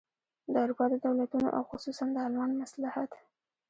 د اروپا د دولتونو او خصوصاً د المان مصلحت.